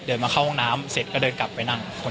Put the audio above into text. เดินมาเข้าห้องน้ำเสร็จก็เดินกลับไปนั่งคนอื่น